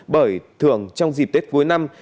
bởi thưởng trong dịp tết cuối năm